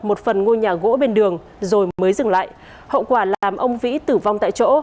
một phần ngôi nhà gỗ bên đường rồi mới dừng lại hậu quả làm ông vĩ tử vong tại chỗ